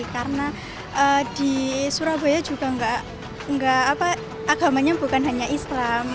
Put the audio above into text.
karena di surabaya juga agamanya bukan hanya islam